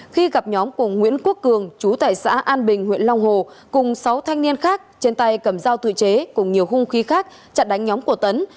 khi gặp nhóm của nguyễn quốc cường chú tại xã an bình huyện long hồ cùng sáu thanh niên khác trên tay cầm dao tự chế cùng nhiều hung khí khác chặn đánh nhóm của tấn